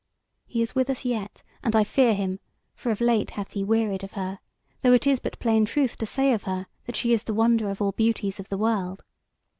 He is with us yet, and I fear him; for of late hath he wearied of her, though it is but plain truth to say of her, that she is the wonder of all Beauties of the World.